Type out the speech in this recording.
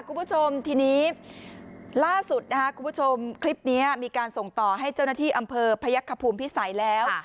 คุณผู้ชมทีนี้ล่าสุดคลิปนี้มีการส่งต่อให้เจ้าหน้าที่อำเภอพระยักษ์คภูมิพิสัยแล้ว